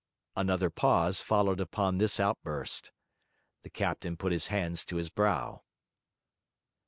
Another pause followed upon this outburst. The captain put his hands to his brow.